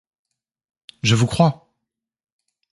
Je vous crois !